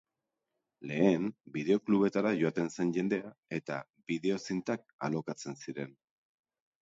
Lehen, bideo-klubetara joaten zen jendea eta bideo-zintak alokatzen ziren.